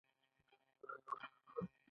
د دې پوښتنې ځواب په روښانه ډول نه دی